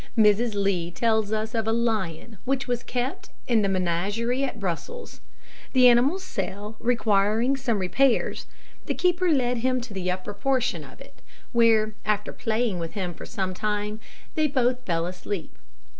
Mrs Lee tells us of a lion which was kept in the menagerie at Brussels. The animal's cell requiring some repairs, the keeper led him to the upper portion of it, where, after playing with him for some time, they both fell asleep.